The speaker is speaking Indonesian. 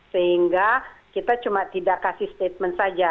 sehingga kita cuma tidak kasih statement saja